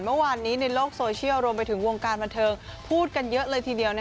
เมื่อวานนี้ในโลกโซเชียลรวมไปถึงวงการบันเทิงพูดกันเยอะเลยทีเดียว